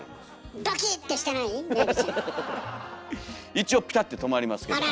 一応ピタって止まりますけども。